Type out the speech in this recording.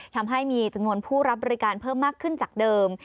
ทำให้มีจำนวนผู้รับบริการเพิ่มมากขึ้นจากเดิม